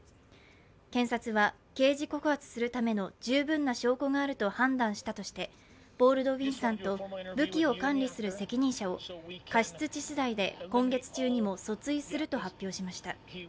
検察は刑事告発するための十分な証拠があると判断したとして、ボールドウィンさんと武器を管理する責任者を過失致死罪で今月中にも訴追すると発表しました。